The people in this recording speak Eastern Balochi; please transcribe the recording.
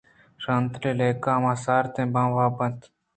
شانتُل ءُ لیلہ ماں سارتیں بان ءَ واب اَنت۔